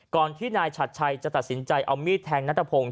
ที่นายฉัดชัยจะตัดสินใจเอามีดแทงนัทพงศ